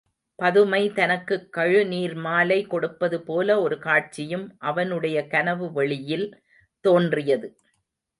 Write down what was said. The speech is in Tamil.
பதுமை தனக்குக் கழுநீர்மாலை கொடுப்பதுபோல ஒரு காட்சியும் அவனுடைய கனவு வெளியில் தோன்றியது.